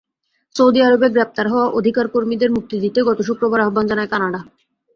Saudi আরবে গ্রেপ্তার হওয়া অধিকারকর্মীদের মুক্তি দিতে গত শুক্রবার আহ্বান জানায় কানাডা।